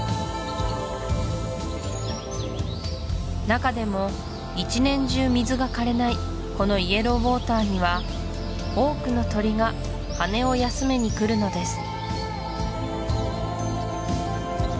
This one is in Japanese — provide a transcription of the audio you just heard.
中でも一年中水がかれないこのイエローウォーターには多くの鳥が羽を休めに来るのです